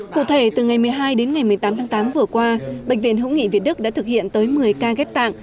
cụ thể từ ngày một mươi hai đến ngày một mươi tám tháng tám vừa qua bệnh viện hữu nghị việt đức đã thực hiện tới một mươi ca ghép tạng